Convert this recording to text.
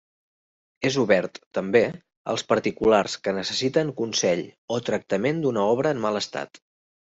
És obert també als particulars que necessiten consell o tractament d'una obra en mal estat.